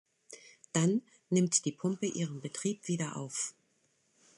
Dann nimmt die Pumpe ihren Betrieb wieder auf.